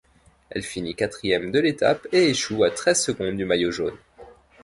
Elle finit quatrième de l'étape et échoue à treize secondes du maillot jaune.